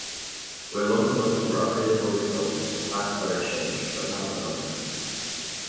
Where locomotives were upgraded or rebuilt, the class letter changed, but not the number.